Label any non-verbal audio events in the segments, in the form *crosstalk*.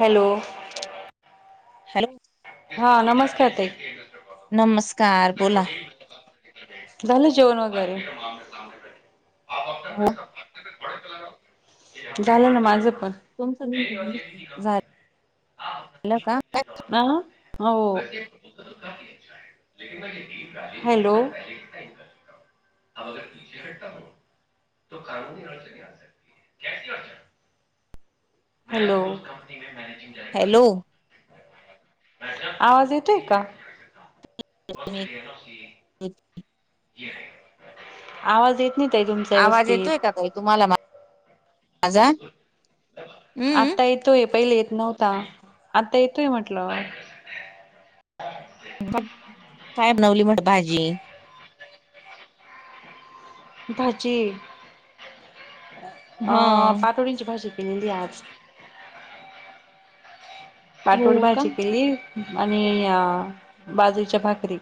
Hello. Hello. हा, नमस्कार ताई. नमस्कार. बोला. *inaudible* झालं जेवण वगैरे. *inaudible* हो. *inaudible* झालं ना माझं पण. तुमचं *unintelligible* झा अं. हो-हो. *inaudible* हॅलो. *unintelligible* हॅलो. हॅलो *unintelligible* आवाज येतोय का? *unintelligible* *inaudible* आवाज ये आवाज येतोय का ताई तुम्हाला माझा. हह्म. आता येतोय पहिले येत नव्हता, आता येतोय म्हटलं. थाठ लावली *unintelligible* भाजी. भाजी हा. अं पाटोळींची भाजी केलेली आज. हो पाटोळी का. भाजी केली आणि बाजरीच्या भाकरी.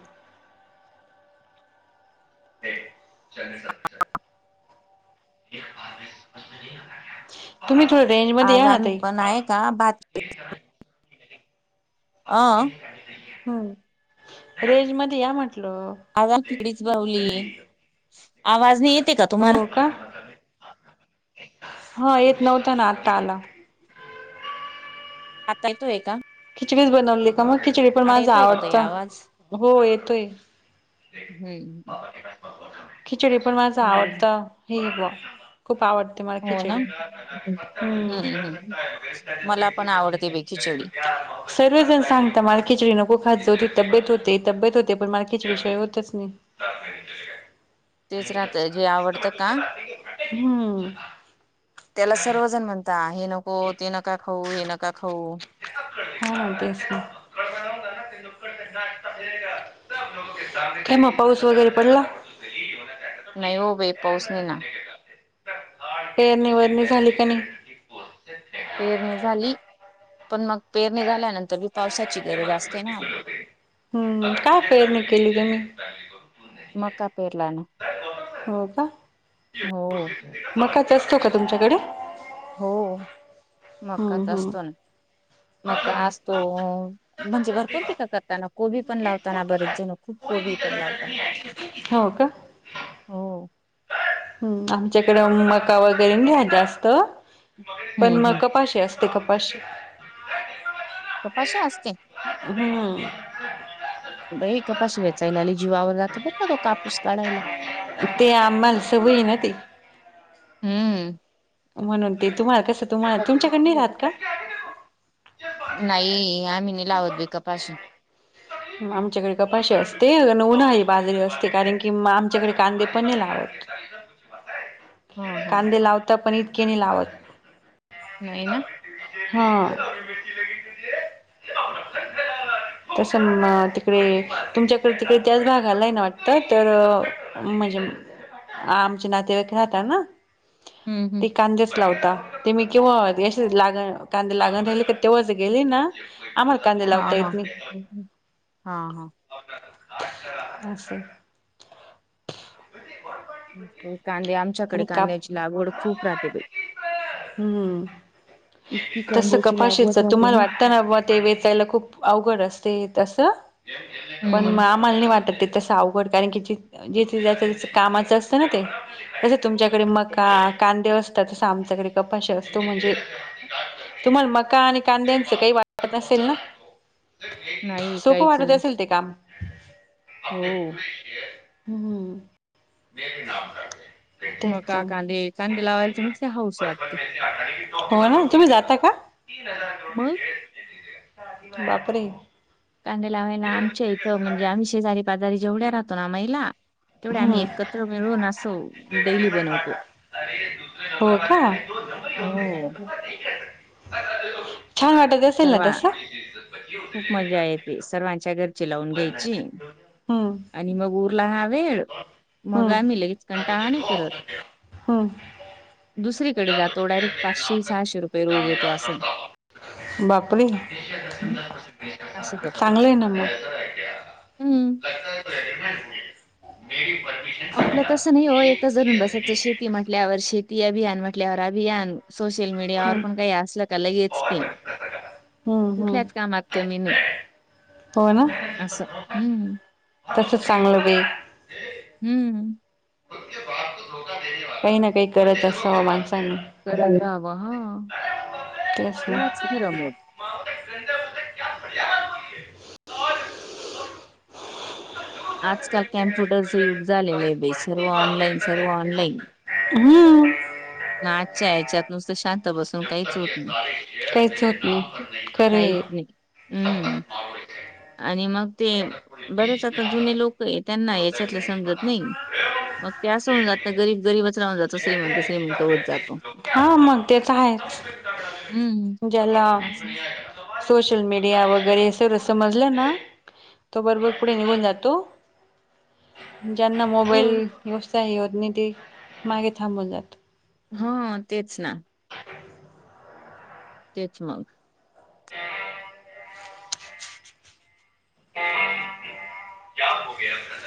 *inaudible* *inaudible* तुम्ही थोडं रेंज मध्ये आज याना आम्ही ताई. पण आहे का भात अं. हो. रेंज मध्ये या म्हटलं. *unintelligible* खिचडीच बनवली ये. आवाज नाही येतेय का तुम्हाला? हं येत नव्हता ना, आत्ता आला. आता येतोय का? खिचडीच बनवली का मग खिचडी पण आता माझ येतोय का ताई आवडत आवाज हो येतोय. हम्म. खिचडी पण माझ आवडत हे खूप आवड ते मला हो ना खिचडी हम्म हम्म. दे बाई खिचडी. हं *unintelligible* सर्वजण सांगता मला खिचडी नको खात जाऊ तुझी तब्येत होती तब्येत होते तब्येत होते पण माल खिचडी शीवाय होतच नाही. तारपय का *unintelligible* तेच राहत जे आवडत का हम्म. त्याला सर्वजण म्हणत ता हे नको ते नका खाऊ हे नका खाऊ हा तेच ना *unintelligible* काय मग पाऊस वगैरे पडला? नाही हो बाई पाऊस नाही ना. पेरणी वरणी झाली का नाही? पेरणी झाली पण मग पेरणी झाल्यानंतर पावसाची गरज असते ना हम्म काय पेरणी केली तुम्ही? मका पेरला आम्ही हो का? हो. मकाच असतो का तुमच्याकडे? हो हम्म मकाच हम्म असतो ना मका असतो म्हणजे भरपूर पीक करताना कोबी पण लावताना बरेक जण खुप कोबी लावता हो का? हो. ह् आमच्याकडें मका वगैरे नाही जास्त पण हम्म हम्म मक पाशी असत ते कपा शी *unintelligible* कपाशी असते? हम्म. ह *unintelligible* बाई कपाशी वेचायला लई जीवावर राहत बरं का तो कापूस काढायला ते आम्हाला सवय येना ते. हम्म. म्हणून ते तुम्हाला कसं तुम्हाला तुमच्याकड नाही राहात का? नाही आम्ही नि लावत बाई कपाशी आमच्याकडे कपाशी असते उन्हाळी बाजारी असते कारण की आमच्याकडे कांदे पण नाही लावत. हा आहे *unintelligible* हा कांदे लावता पण इतके नाही लावत नाही ना. हा. चम तिकडे तुमच्याकडे तिकडे त्याच भागालाय ना वाटत तर म्हणजे आमचे नाते वाईक राहता ना. हम् हम. ती कांदेच लावता ते मी केव्हा ज्या दिवशी लागण कांदे लागण राहिले का तेव्हाच गेली ना आम्हाला कांदे हा लावता हा येत नाही. हा हा. *unintelligible* अस. कांदे आमच्याकडे आणि काप कांद्याची लागवड खूप राहते बाई. हम्म इतकी तस कांद्याची कपाशीच लागवड राहते तुम्हाला वाटत ना बा ते वेचायला खूप अवघड असते तस पण हम्म. आम्हाला नाही वाटत ते तस आऊ गोड कारण जिथे ज्याचं ज्याच्या कामाचं असतं ना ते जस तुमच्याकडे मका कांदे असत तस आमच्याकडे कपाशी असतो म्हणजे तुम्हाला मका आणि कांद्यांचे काही वाटत नसेल ना? नाही सोपं काहीच वाटत नाही असेल ते काम. हो हम्. मका कांदे कांदे लावायला तर नुसती हाऊस वाटते. हो ना तुम्ही जाता का? मग? बापरे! कांदे लावायला आमच्या इथं म्हणजे आम्ही शेजारी पाजारी जेवढ्या राहतो ना महिला तेवढ्या आम्ही हम्म एकत्र मिळून असं डेैली बनवतो. अरे दुसरे *unintelligible* हो का? हो. छान वाटत असेल ना सर्वा तसं खूप मजा येते सर्वांच्या घरची लावून घ्यायची. हम्म आणि मग उरला हा वेळ मग हम्म आम्ही लगेच कंटाळा नाही करत. हो. दुसरीकडे जातो डायरेक्ट पाचशे सहाशे रुपये रोज येतो अस बापरे! असं करतो चांगलं आहे ना मग *unintelligible* आपलं तस नाही हो एक धरून बसायचं शेती म्हटल्यावर शेती अभियान म्हटल्यावर अभियान सोशल मीडियावर हम्म पण काही असलं का लगेच ते हम्म हम्म कुठल्याच कामात कमी नी असं हम कसं चांगलं बाई हम्म. काही ना काही करत असाव माणसांनी. करत राहावं हा तेच ते ना वाचत रहा *unintelligible* आजकाल कम्प्युटरचं युग झालेलं आहे बाई सर्व ऑनलाईन सर्व ऑनलाईन. हम्म. ना आजच्या ह्याच्यात नुसतं शांत बसून काहीच होत ना काहीच होत नाही खरं काहीच आहे नाही. हम्म आणि मग ते बरेच आता जुने लोक त्यांना ह्याच्यातल समजत नाही मग त्या अस होऊन जात गरीब गरीबाच राहून जातो श्रीमंत श्रीमंत होत जातो. हा मग ते तर आहेच हम्म ज्याला असं. सोशल मीडिया वगैरे सर समजलं ना तो बरोबर पुढे निघून जातो. ज्यांना हो मोबाईल व्यवस्थाही *unintelligible* होत नाही ते मागे थांबून जात हा तेच ना. *unintelligible* तेच मग. *unintelligible*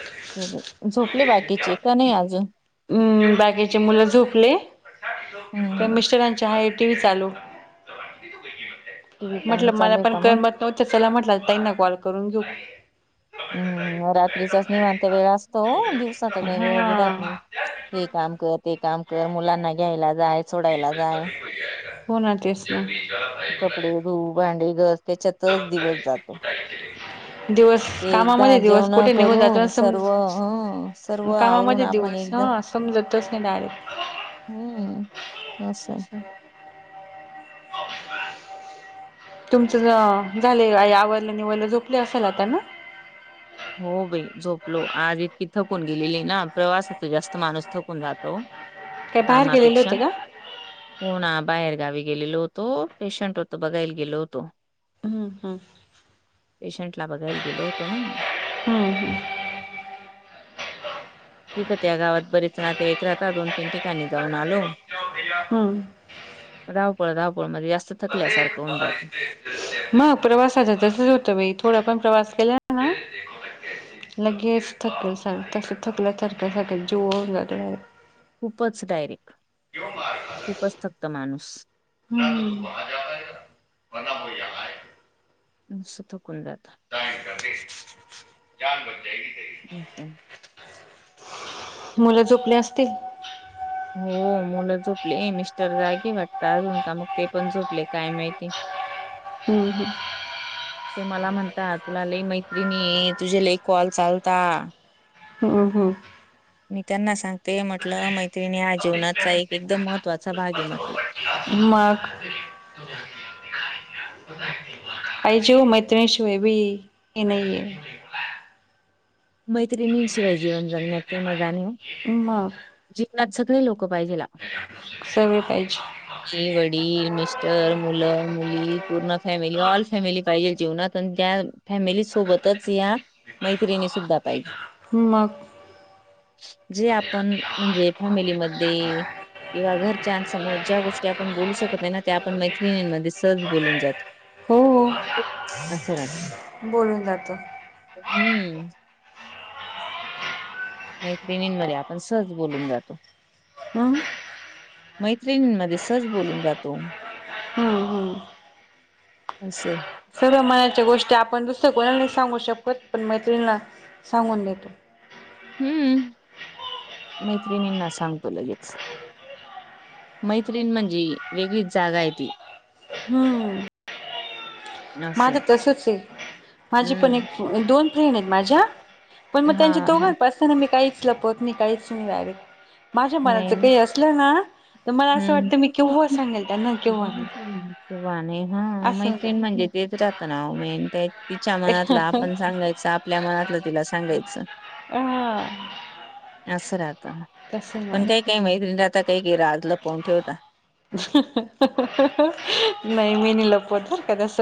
झोपले बाकीचे का नाही अजून? हम् बाकीेचे मुलं झोपले तर हम्म मिस्टरांचे आहे टी व्ही चालू. टी व्ही म्हटल पाहणं चालू मला आहे पण का मग? करमत हो तर चला म्हटलं ताईना कॉल करून घेऊ. हम्म रात्रीचाच निवांत वेळ असतो दिवसाचा काही वेळ बि जात हा नाही. हे काम कर ते काम कर मुलांना घ्यायला जाय सोडायला जाय. हो ना तेचना. तू भांडी गस त्याच्यातच दिवस जातो दिवस एकदा कामामध्ये दिवस जेवण कुठे निघून जातो करून ना सर्व समज हं सर्व आवरून कामामध्ये आपण दिवस एकदा हा समजतच नाही डायरेक्ट हम्म अस असं तुमचं ज झालं *unintelligible* आवडलं निवयलं झोपले असाल आता ना? हो बाई झोपलो आज इतकी थकून गेलेली ना प्रवासाचा जास्त माणूस थकून जातो. काय बाहेर गेलेले कामापेक्षा होते का हो ना बाहेर गावी गेलेलो होतो पेशंट होत बघायला गेलो होतो. हम् हम. पेशंट ला बघायला गेलो होतो ना. हम्म हम्म. तिथं त्या गावात बरीेच नातेवाईक राहता दोन तीन ठिकाणी जाऊन आलो. *unintelligible* हम्म. धावपळ धावपळ मध्ये जास्त थकल्यासारखं होऊन जात. मग प्रवासाच तसच होतं बाई थोडा पण प्रवास केला ना लगेच थकल तस थकल्या थरकसाठीख्या जव जात *unintelligible* खूपच डायरेक्ट खूपच थक्त माणूस. ह्म *unintelligible* नुस थकून जात. *unintelligible* *inaudible* मुलं झोपली असतील. हो मुलं झोपले मिस्टर जागे वाटत अजून का मग ते पण झोपले काय माहिती. हम्म हम्म. ते मला म्हणतात तुला लई मैत्रिणीये तुझे लई कॉल चालता ह्म्म ह्म्म. मी त्यांना सांगते म्हटलं मैत्रिणी या जीवनाचा एकदम महत्त्वाचा भाग आहे म्हटलं. मग पाहिजे ओ मैत्रिणी शिवाय बी हे नाहिये. मैत्रिणीं शिवाय जीवन जगण्यात काय मजा नाय हो. मग *unintelligible* जीवनात सगळी लोक पाहिजेला सगळे पाहिजे. आई वडील मिस्टर मुलं मुली पूर्ण फॅमिली ऑल फॅमिली पाहिजे जीवनात. पण त्या फॅमिली सोबतच या मैत्रिणी सुद्धा पाहिजे. मग जे आपण म्हणजे फॅमिलीमध्ये किंवा घरच्यांसमोर ज्या गोष्टी आपण बोलू शकत नाही ना त्या आपण मैत्रिणींमध्ये सहज बोलून जा हो. असं रात *unintelligible* बोलून जात हम्म. मैत्रिणींमध्ये आपण सहज बोलून जातो. हा *unintelligible* मैत्रिणींमध्ये सहज बोलून जातो. हम्म हम्म. असं आहे. सर्व मनाच्या गोष्टी आपण दुसऱ्या कोणाला सांगू शकत पण मैत्रिणीना सांगून देतो. हम्म, मैत्रिणींना सांगतो लगेच. मैत्रीण म्हणजे वेगळीच जागा आहे ती. हम्म. असं माझ आहे तसच हे माझी पण हम्म एक- दोन फ्रेंड येत माझ्या. पण मग हा त्यांच्या हा दोघांपासन मी काहीच लपवत नाही काहीच नाही लाग माझ्या नाही मनाचं काही अस म्हलं ना तर मला असं वाटतं मी हम्म. केव्हा सांगेल त्यांना केव्हा नाही. किंवा नाही हा असं होत मैत्रिण म्हणजे तेच राहत ना वो तिच्या मनातला आपण सांगायच आप आपल्या मनातलं तिला सांगायचं. हा. असं राहत. तसं पण माझं काही काही मैत्रिणी राहता काही रा लपून ठेवतात. नाही मी नाई लपवत बर का तस.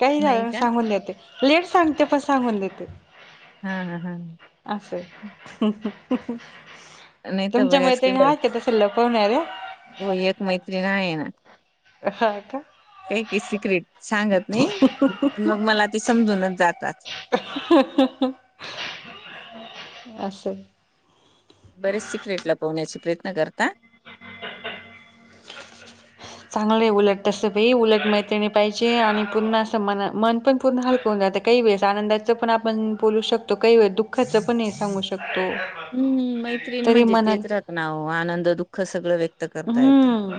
काही नाही झालं का सांगून देते, लेट सांगते पण सांगून देते. हा हा हा. अस आहे. नाही तर बऱ्याच के, तसं लपवणाऱ्या हो एक मैत्रिण आहे ना. ह का! काही काही सिक्रेट सांगत नाही पण मग मला ते समजूनच जातात. असं. बरेच सिक्रेट लपहण्याचा प्रयत्न करता? चांगलं उलट तस भी उलट मैत्रिणी पाहिजे आणि पूर्ण असं म- मन पण हलक जातं. काही वेळेस आनंदाच पण आपण बोलू शकतो, काही वेळेस दुःखाचं पण सांगू शकतो. हम्म मैत्रीण तरी म्हणजे म्हणाल तेच राहत ना ओ, आनंद दुःख सगळं व्यक्त करता येत. हम्म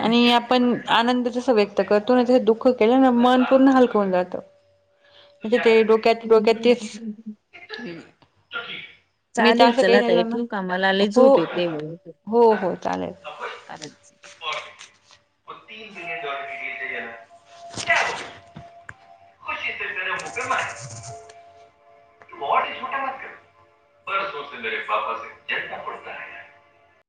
आणि आपण आनंद तस व्यक्त करतो ना, तसं दुःख केलं ना मन पूर्ण हलकं होउन जातं. म्हणजे ते डोक हम *unintelligible* हंम ‌. मी तर चालेल असं काही चला ताई राहिलं ना ठेवू का मला मग लई हो झोप हो हो चालेल. खराच. *unintelligible* *inaudible* *unintelligible*